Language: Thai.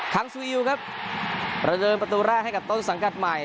ังซูอิวครับประเดิมประตูแรกให้กับต้นสังกัดใหม่